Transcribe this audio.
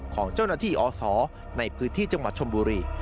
ของเจ้าหน้าที่อศในพื้นที่จังหวัดชมบุรี